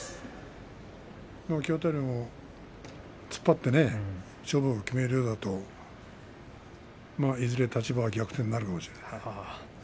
きょう辺りも突っ張って勝負を決めるようだといずれ立場は逆転になるかもしれないですね。